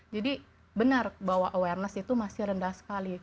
jadi benar bahwa awareness itu masih rendah sekali